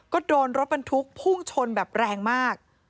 ก็โดนรถบรรทุกพุ่งชนแบบแรงมาก